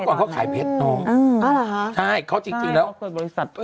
เพราะก่อนเขาขายเพชรนอก